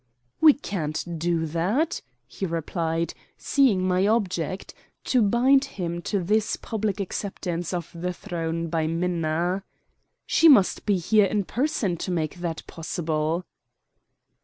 "We can't do that," he replied, seeing my object to bind him to this public acceptance of the throne by Minna. "She must be here in person to make that possible."